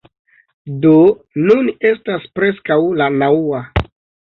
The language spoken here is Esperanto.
Do, nun estas preskaŭ la naŭa